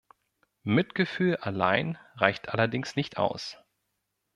Mitgefühl allein reicht allerdings nicht aus.